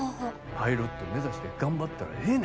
パイロット目指して頑張ったらええね。